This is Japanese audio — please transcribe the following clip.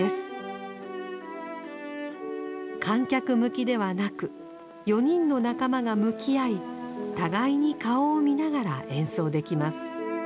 観客向きではなく４人の仲間が向き合い互いに顔を見ながら演奏できます。